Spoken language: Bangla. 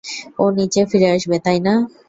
ও নিচে ফিরে আসবে, তাই না?